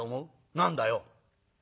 「何だよ？」。